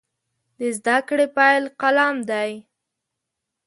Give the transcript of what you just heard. د زده کړې پیل قلم دی.